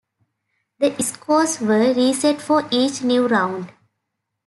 The scores were reset for each new round.